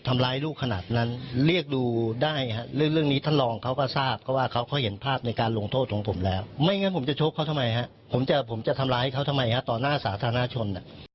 ไม่งั้นผมจะชกเขาทำไมฮะผมจะทำร้ายเขาทำไมฮะต่อหน้าสาธารณชน